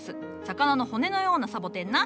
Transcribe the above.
魚の骨のようなサボテンな。